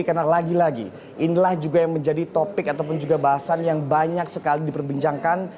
karena lagi lagi inilah juga yang menjadi topik ataupun juga bahasan yang banyak sekali diperbincangkan